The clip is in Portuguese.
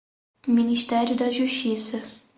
Ministério da Justiça